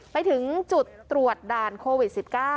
ไปถึงจุดตรวจด่านโควิด๑๙